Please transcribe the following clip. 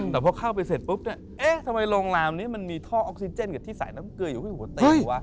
แต่พอเข้าไปเสร็จปุ๊บเนี่ยเอ๊ะทำไมโรงแรมนี้มันมีท่อออกซิเจนกับที่สายน้ำเกลืออยู่ที่หัวเตียงวะ